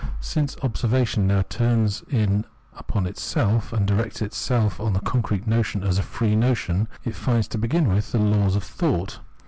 Since observation now turns in upon itself and directs itself on the concrete notion as a free notion, it finds, to begin with, the Laws of Thought.